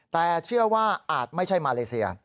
แต่เชื่อว่าอาจไม่ใช่มาเลเซีย